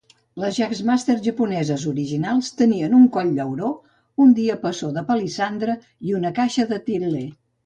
Les Jagmasters japoneses originals tenien un coll d'auró, un diapasó de palissandre i una caixa de til·ler.